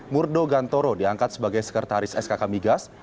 murdo gantoro diangkat sebagai sekretaris skk migas